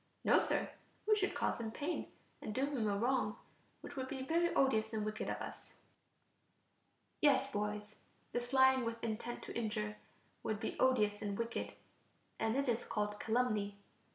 No, Sir, we should cause him pain, and do him a wrong, which would be very odious and wicked of us. Yes, boys, this lying with intent to injure would be odious and wicked, and it is called calumny.